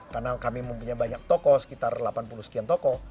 karena kami mempunyai banyak toko sekitar delapan puluh sekian toko